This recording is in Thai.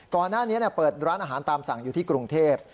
ก่อนหน้านี้เปิดร้านอาหารตามสั่งอยู่ที่กรุงเทพ